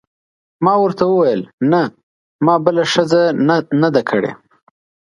ما ورته وویل: نه، ما بله ښځه نه ده کړې.